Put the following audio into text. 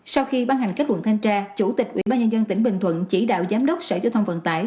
sau khi ban hành kết luận thanh tra chủ tịch ubnd tỉnh bình thuận chỉ đạo giám đốc sở giao thông vận tải